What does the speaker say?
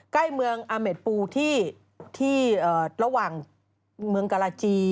ใกล้เมืองอาเมดปูที่ระหว่างเมืองกาลาจี